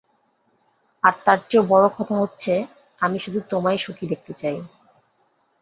আর তার চেয়েও বড়ো কথা হচ্ছে, আমি শুধু তোমায় সুখী দেখতে চাই।